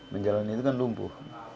menjalani itu kan lumpuh